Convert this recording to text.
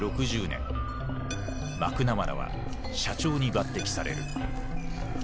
マクナマラは社長に抜てきされる。